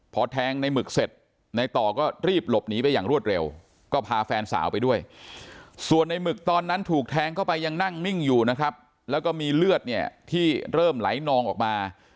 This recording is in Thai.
พอแทงในหมึกเสร็จในต่อก็รีบหลบหนีไปอย่างรวดเร็วก็พาแฟนสาวไปด้วยส่วนในหมึกตอนนั้นถูกแทงเข้าไปยังนั่งนิ่งอยู่นะครับแล้วก็มีเลือดเนี่ยที่เริ่มไหลนองออกมา